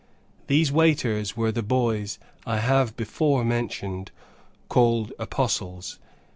These waiters were the boys I have before mentioned, called apostles.